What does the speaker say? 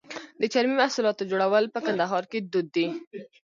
د چرمي محصولاتو جوړول په کندهار کې دود دي.